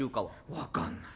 わかんない。